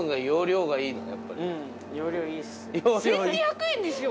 １２００円ですよ！